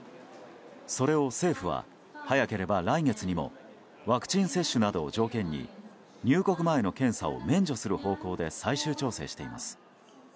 それを政府は早ければ来月にもワクチン接種などを条件に入国前の検査を免除する方向で最終調整しています。